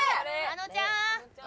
あのちゃん！